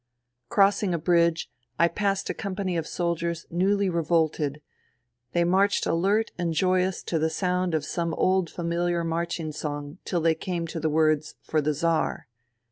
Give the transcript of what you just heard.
Crossing a bridge I passed a company of soldiers newly revolted They marched alert and joyous to the sound of some old familiar marching song till they came to the words " for the Czar."